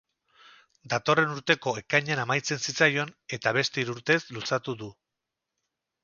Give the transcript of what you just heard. Datorren urteko ekainean amaitzen zitzaion eta beste hiru urtez luzatu du.